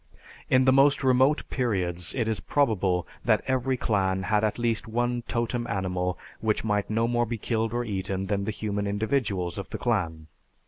In the most remote periods it is probable that every clan had at least one totem animal which might no more be killed or eaten than the human individuals of the clan.